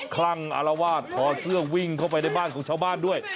คลั่งอารวาสถอเสื้อวิ่งเข้าไปในบ้านของชาวบ้านด้วย